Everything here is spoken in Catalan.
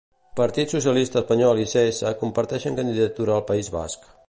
Partit Socialista Espanyol i Cs comparteixen candidatura al País Basc.